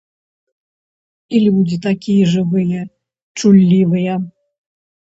І людзі такія жывыя, чуллівыя.